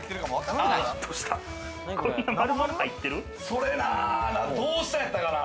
それなぁ、どうしたんやったかな？